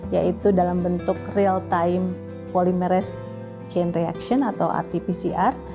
yaitu dalam bentuk real time polymerase chain reaction atau rt pcr